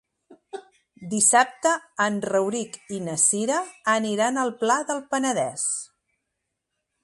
Dissabte en Rauric i na Cira aniran al Pla del Penedès.